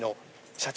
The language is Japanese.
社長！？